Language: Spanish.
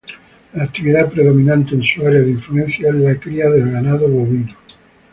La actividad predominante en su área de influencia es la cría de ganado bovino.